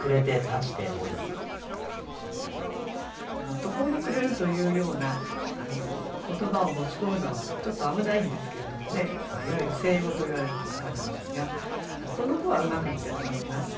「途方に暮れる」というような言葉を持ち込むのはちょっと危ないんですけれどもねいわゆる成語といわれる言葉なんですがこの句はうまくいってると思います。